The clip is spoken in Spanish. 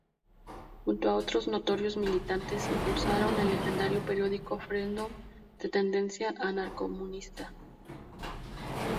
Junto a otros notorios militantes, impulsaron el legendario periódico "Freedom", de tendencia anarcocomunista.